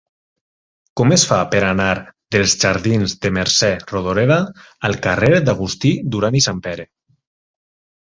Com es fa per anar dels jardins de Mercè Rodoreda al carrer d'Agustí Duran i Sanpere?